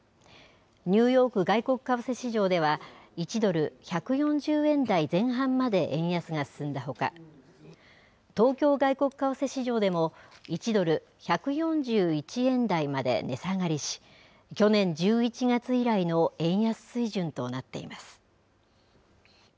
ニューヨーク外国為替市場では１ドル１４０円台前半まで円安が進んだほか東京外国為替市場でも１ドル１４１円台まで値下がりし去年１１月以来の円安水準となっています。